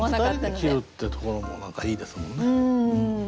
２人で切るってところも何かいいですもんね。